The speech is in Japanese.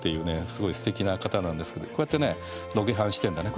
すごいすてきな方なんですけどこうやってロケハンしてんだね。